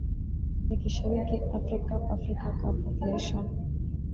nikishiriki africup afrika cup of nations